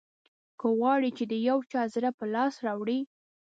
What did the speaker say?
که غواړې چې د یو چا زړه په لاس راوړې.